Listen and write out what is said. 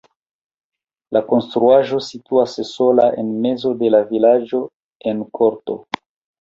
La konstruaĵo situas sola en mezo de la vilaĝo en korto.